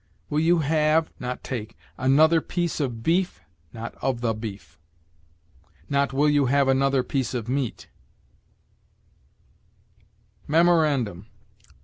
"Will you have [not, take] another piece of beef [not, of the beef]?" not, "Will you have another piece of meat?" MEMORANDUM.